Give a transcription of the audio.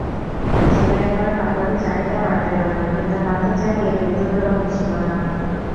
সেলাই করা কাপড়ের চাহিদা বাড়তে লাগল কিন্তু হাতে চালিয়ে দ্রুততর হচ্ছিল না।